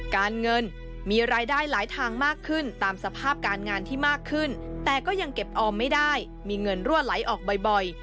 การเงินมีรายได้หลายทางมากขึ้นตามสภาพการงานที่มากขึ้นแต่ก็ยังเก็บออมไม่ได้มีเงินรั่วไหลออกบ่อย